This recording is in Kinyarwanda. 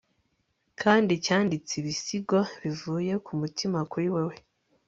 kandi cyanditse ibisigo bivuye ku mutima kuri wewe